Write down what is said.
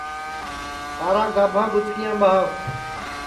سارا گابھا ٻُچکِیام ٻاہوَ